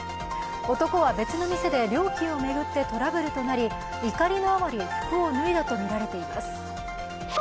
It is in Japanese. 男は別の店で料金を巡ってトラブルとなり怒りのあまり服を脱いだとみられています。